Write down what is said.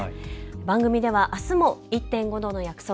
番組ではあすも１．５度の約束